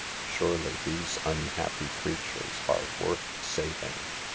Surely these unhappy creatures are worth saving.